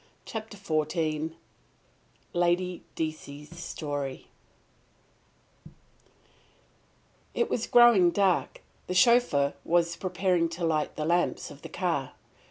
CHAPTER XIV LADY DECIES' STORY It was growing dark; the chauffeur was preparing to light the lamps of the car.